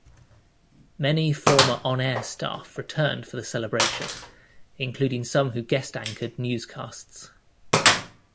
Many former on-air staff returned for the celebration, including some who guest-anchored newscasts.